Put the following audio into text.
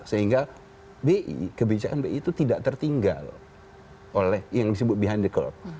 sehingga bi kebijakan bi itu tidak tertinggal oleh yang disebut behind the call